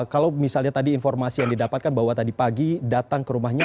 kalau misalnya tadi informasi yang didapatkan bahwa tadi pagi datang ke rumahnya